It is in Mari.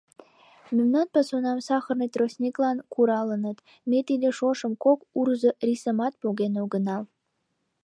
Мемнан пасунам сахарный тростниклан куралыныт, ме тиде шошым кок урзо рисымат поген огынал!..